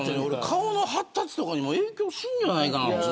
顔の発達とかにも影響するんじゃないかな。